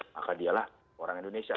maka dialah orang indonesia